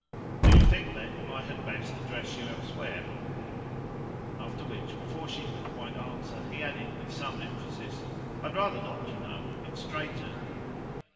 "Do you think then I had best address you elsewhere?" After which, before she could quite answer, he added with some emphasis: "I'd rather not, you know. It's straighter."